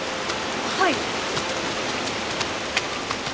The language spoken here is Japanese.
はい。